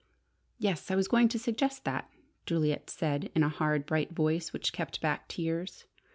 "Yes, I was going to suggest that," Juliet said in a hard, bright voice which kept back tears.